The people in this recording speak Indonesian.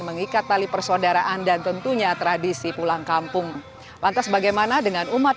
mengikat tali persaudaraan dan tentunya tradisi pulang kampung lantas bagaimana dengan umat